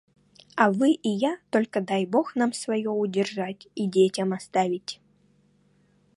А вы и я — только дай Бог нам свое удержать и детям оставить.